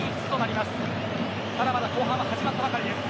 まだまだ後半は始まったばかりです。